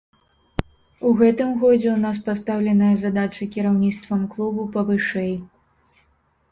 У гэтым годзе ў нас пастаўленая задача кіраўніцтвам клубу павышэй.